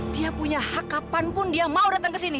dia punya hak kapanpun dia mau datang ke sini